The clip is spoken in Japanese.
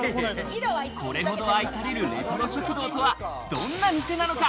これほど愛されるレトロ食堂とはどんな店なのか？